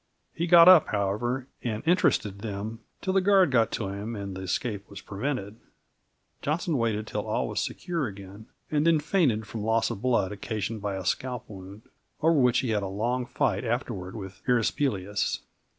He got up, however, and interested them till the guard got to him and the escape was prevented. Johnson waited till all was secure again, and then fainted from loss of blood occasioned by a scalp wound over which he had a long fight afterward with erysipelas.